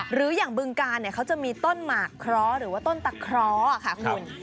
หรืออย่างบึงการเนี่ยเขาจะมีต้นหมากคล้อหรือว่าต้นตะคล้อค่ะคุณ